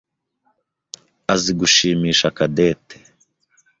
azi gushimisha Cadette.